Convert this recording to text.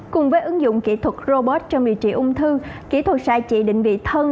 cùng với ứng dụng kỹ thuật robot trong điều trị ung thư kỹ thuật xạ trị định vị thân